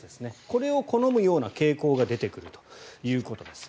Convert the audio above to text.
これを好むような傾向が出てくるということです。